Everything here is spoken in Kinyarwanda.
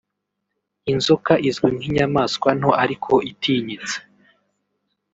Inzoka izwi nk’inyamaswa nto ariko itinyitse